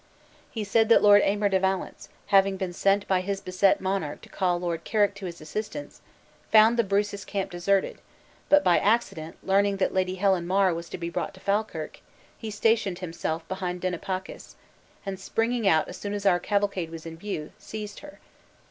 He said that Lord Aymer de Valence, having been sent by his beset monarch to call Lord Carrick to his assistance, found the Bruce's camp deserted; but by accident learning that Lady Helen Mar was to be brought to Falkirk, he stationed himself behind Dunipacis; and springing out as soon as our cavalcade was in view, seized her.